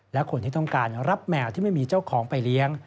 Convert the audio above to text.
และคนที่ต้องการรับแมวที่ไม่มีเจ้าของไปเลี้ยง